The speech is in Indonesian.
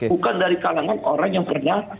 bukan dari kalangan orang yang pernah